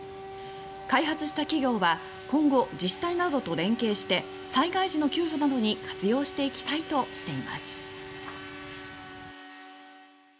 開発した企業は今後自治体などと連携して災害時の救助などに活用していきたいとしています。